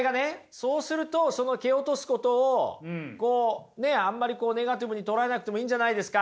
そうするとその蹴落とすことをあんまりネガティブに捉えなくてもいいんじゃないですか？